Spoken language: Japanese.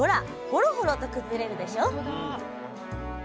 ホロホロと崩れるでしょ！